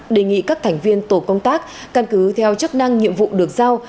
đề nghị các thành viên tổ công tác căn cứ theo chức năng nhiệm vụ được giao